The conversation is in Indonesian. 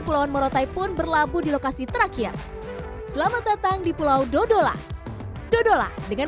pulauan morotai pun berlabuh di lokasi terakhir selamat datang di pulau dodola dodola dengan